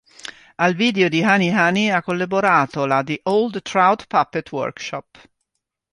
Al video di "Honey, Honey" ha collaborato la The Old Trout Puppet Workshop.